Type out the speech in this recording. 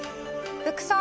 「服装」。